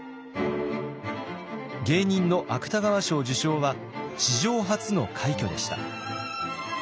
芸人の芥川賞受賞は史上初の快挙でした。